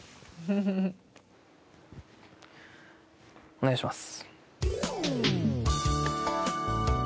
お願いします。